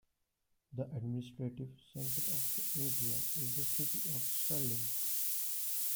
The administrative centre of the area is the city of Stirling.